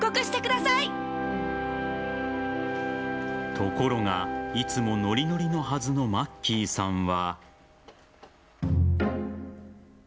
ところがいつもノリノリのはずのマッキーさんは。